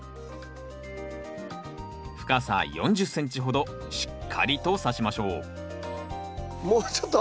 深さ４０ｃｍほどしっかりとさしましょうもうちょっと。